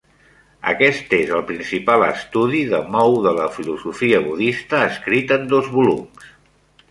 Aquest és el principal estudi de Mou de la filosofia budista, escrit en dos volums.